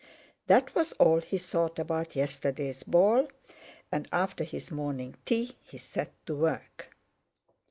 That was all he thought about yesterday's ball, and after his morning tea he set to work.